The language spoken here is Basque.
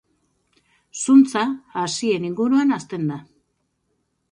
Zuntza hazien inguruan hazten da.